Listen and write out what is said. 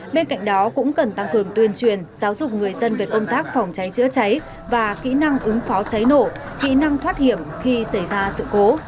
bên cạnh đó cũng cần tăng cường tuyên truyền giáo dục người dân về công tác phòng cháy chữa cháy và kỹ năng ứng phó cháy nổ kỹ năng thoát hiểm khi xảy ra sự cố